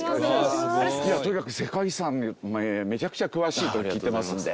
とにかく世界遺産にめちゃくちゃ詳しいと聞いてますので。